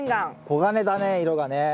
黄金だね色がね。